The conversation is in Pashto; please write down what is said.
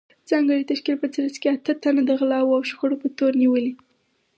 ځانګړې تشکیل په ترڅ کې اته تنه د غلاوو او شخړو په تور نیولي